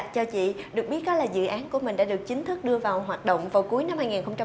cho chị được biết là dự án của mình đã được chính thức đưa vào hoạt động vào cuối năm hai nghìn một mươi tám